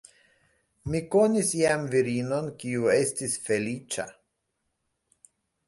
Mi konis iam virinon, kiu estis feliĉa.